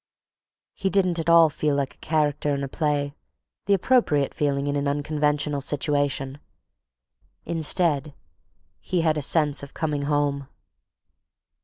He didn't at all feel like a character in a play, the appropriate feeling in an unconventional situation—instead, he had a sense of coming home.